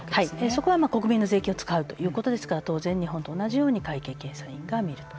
そこは国民の税金を使うということですから当然日本と同じように会計検査院が見ると。